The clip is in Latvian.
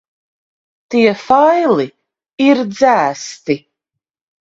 Tie faili ir dzēsti.